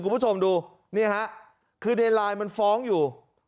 คุณผู้ชมดูนี่ฮะคือในไลน์มันฟ้องอยู่